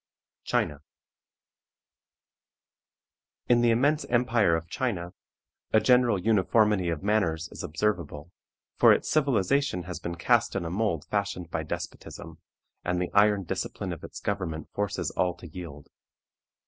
CHINA. In the immense empire of China a general uniformity of manners is observable, for its civilization has been cast in a mould fashioned by despotism, and the iron discipline of its government forces all to yield.